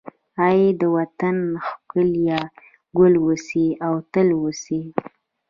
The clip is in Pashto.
ای د وطن ښکليه، ګل اوسې او تل اوسې